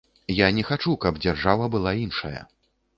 Я не хачу, каб дзяржава была іншая.